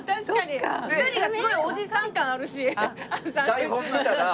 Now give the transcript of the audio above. ２人がすごいおじさん感あるし。